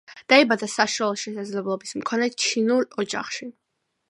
დაიბადა საშუალო შესაძლებლობის მქონე ჩინურ ოჯახში.